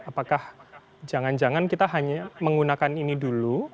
apakah jangan jangan kita hanya menggunakan ini dulu